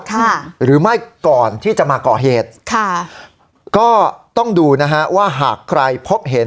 ค่ะหรือไม่ก่อนที่จะมาก่อเหตุค่ะก็ต้องดูนะฮะว่าหากใครพบเห็น